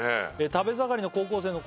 「食べ盛りの高校生の頃から」